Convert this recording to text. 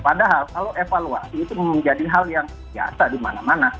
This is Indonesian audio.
padahal kalau evaluasi itu menjadi hal yang biasa di mana mana